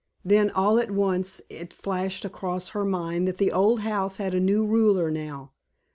Then all at once it flashed across her mind that the old house had a new ruler now.